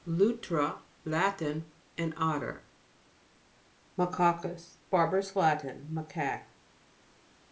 LUTRA. Latin. An Otter. MACACUS. Barbarous Latin. Ma caque.